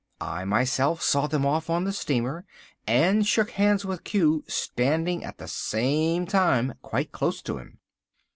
I myself saw them off on the steamer, and shook hands with Q, standing at the same time quite close to him."